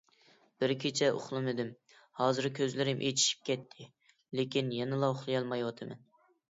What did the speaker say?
بىر كېچە ئۇخلىمىدىم، ھازىر كۆزلىرىم ئېچىشىپ كەتتى، لېكىن يەنىلا ئۇخلىيالمايۋاتىمەن.